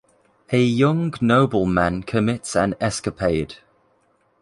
A young nobleman commits an escapade.